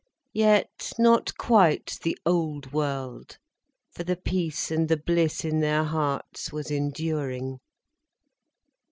Yet not quite the old world. For the peace and the bliss in their hearts was enduring.